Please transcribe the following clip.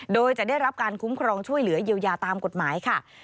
โดยจะได้รับการคุ้มครองช่วยเหลือเยียวยาตามกฎหมายค่ะ